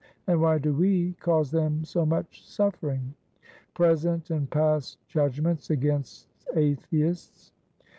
and why do we cause them so much suffering?" "Present and past judgments against atheists."